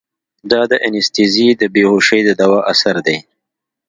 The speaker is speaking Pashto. دا د انستيزي د بېهوشي د دوا اثر ديه.